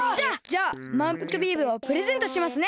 じゃあまんぷくビームをプレゼントしますね！